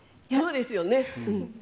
そうですよね。